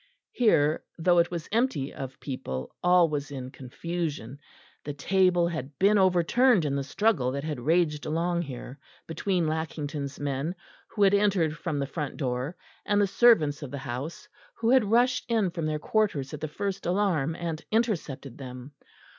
Here, though it was empty of people, all was in confusion; the table had been overturned in the struggle that had raged along here between Lackington's men, who had entered from the front door, and the servants of the house, who had rushed in from their quarters at the first alarm and intercepted them.